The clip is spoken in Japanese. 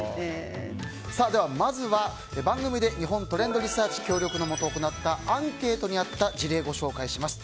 まずは、番組で日本トレンドリサーチ協力のもと行ったアンケートにあった事例をご紹介します。